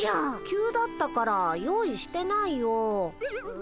急だったから用意してないよ。